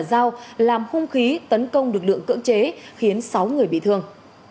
dao làm hung khí tấn công lực lượng cưỡng chế khiến sáu người bị thương